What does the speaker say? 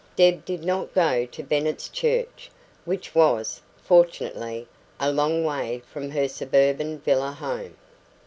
Deb did not go to Bennet's church, which was, fortunately, a long way from her suburban villa home.